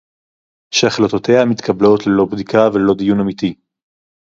שהחלטותיה מתקבלות ללא בדיקה וללא דיון אמיתי